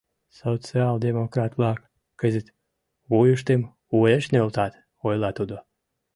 — Социал-демократ-влак кызыт вуйыштым уэш нӧлтат, — ойла тудо.